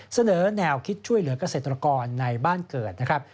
เสนอแนวคิดช่วยเหลือกเกษตรกรในบ้านเกิดนะครับ